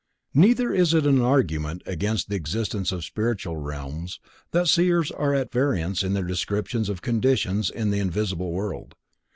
Neither is it an argument against the existence of spiritual realms that seers are at variance in their descriptions of conditions in the invisible world.